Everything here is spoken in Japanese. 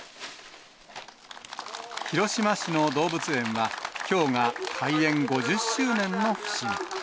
広島市の動物園は、きょうが開園５０周年の節目。